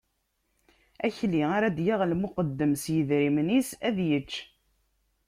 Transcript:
Akli ara d-yaɣ lmuqeddem s yedrimen-is, ad yečč.